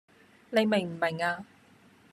你明唔明呀